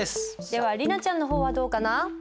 では莉奈ちゃんの方はどうかな？